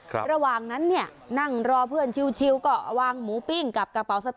ระหว่างนั้นเนี่ยนั่งรอเพื่อนชิวก็วางหมูปิ้งกับกระเป๋าสตา